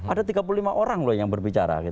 ada tiga puluh lima orang loh yang berbicara